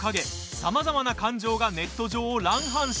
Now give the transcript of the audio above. さまざまな感情がネット上を乱反射。